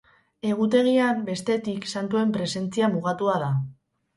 Egutegian, bestetik, santuen presentzia mugatua da.